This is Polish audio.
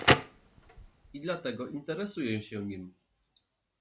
"I dlatego interesuję się nim."